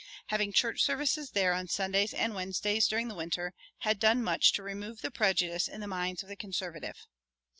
Having church services there on Sundays and Wednesdays during the winter had done much to remove the prejudice in the minds of the conservative.